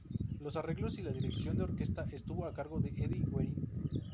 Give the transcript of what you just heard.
Los arreglos y la dirección de orquesta estuvo a cargo de Eddy Guerin.